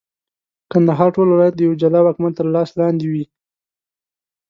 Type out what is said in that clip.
کندهار ټول ولایت د یوه جلا واکمن تر لاس لاندي وي.